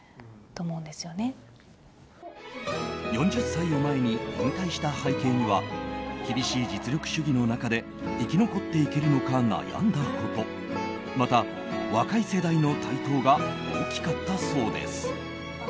４０歳を前に引退した背景には厳しい実力主義の中で生き残っていけるのか悩んだことまた、若い世代の台頭が大きかったそうです。